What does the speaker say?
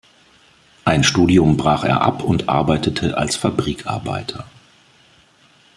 Ein Studium brach er ab und arbeitete als Fabrikarbeiter.